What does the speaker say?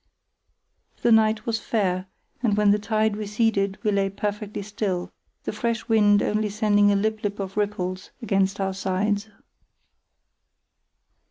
The night was fair, and when the tide receded we lay perfectly still, the fresh wind only sending a lip lip of ripples against our sides.